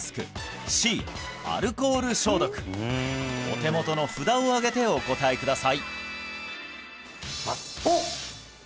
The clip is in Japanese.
お手元の札を上げてお答えくださいおっ！